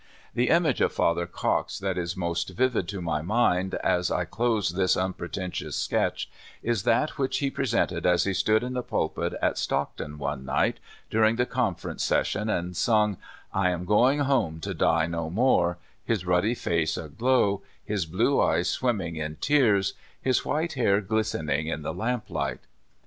The image of Father Cox that is most vivid to my mind as I close this unpretentious sketch, is that which he presented as he stood in the pulpit at Stockton one night, during the Conference ses sion, and sang, " I am going home to die no more," his ruddy face aglow, his blue eyes swimming in tears, his white hair glistening in the lamp light.